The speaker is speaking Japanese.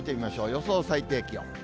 予想最低気温。